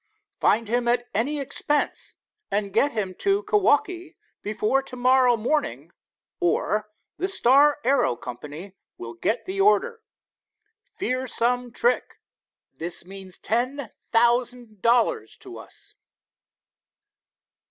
Find him at any expense, and get him to Kewaukee before to morrow morning, or the Star Aero Co. will get the order. Fear some trick. This means ten thousand dollars to us."